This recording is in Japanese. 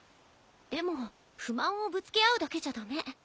でも不満をぶつけ合うだけじゃ駄目。